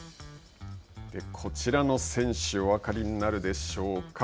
こちらの選手、お分かりになるでしょうか。